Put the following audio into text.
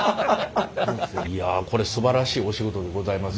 いやこれすばらしいお仕事でございます。